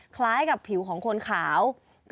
คล้ายกับผิวของคนขาว